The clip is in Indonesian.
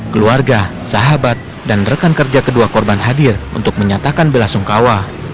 keluarga sahabat dan rekan kerja kedua korban hadir untuk menyatakan belasungkawa